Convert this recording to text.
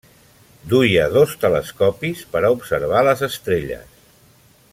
Duia dos telescopis per a observar les estrelles.